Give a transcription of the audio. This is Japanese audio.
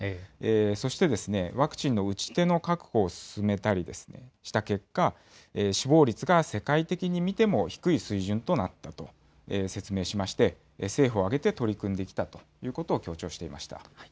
そして、ワクチンの打ち手の確保を進めたりですね、した結果、死亡率が世界的に見ても低い水準となったと説明しまして、政府を挙げて取り組んできたということを強調していました。